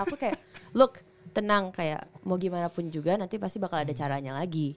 aku kayak look tenang kayak mau gimana pun juga nanti pasti bakal ada caranya lagi